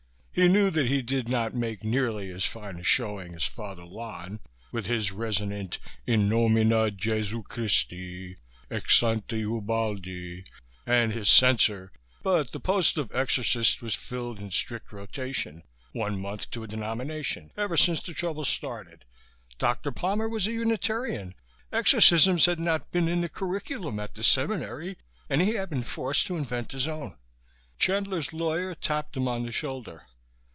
He knew that he did not make nearly as fine a showing as Father Lon, with his resonant in nomina Jesu Christi et Sancti Ubaldi and his censer, but the post of exorcist was filled in strict rotation, one month to a denomination, ever since the troubles started. Dr. Palmer was a Unitarian. Exorcisms had not been in the curriculum at the seminary and he had been forced to invent his own. Chandler's lawyer tapped him on the shoulder.